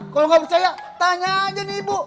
kalau gak percaya tanya aja nih bu